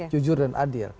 jujur dan adil